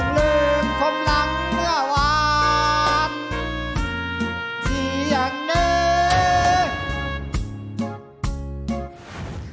ลืมคมหลังเมื่อวานที่ยังแน่